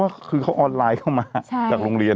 เพราะว่าคือเขาออนไลน์เข้ามาจากโรงเรียน